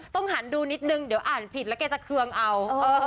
หันดูนิดนึงเดี๋ยวอ่านผิดแล้วแกจะเคืองเอา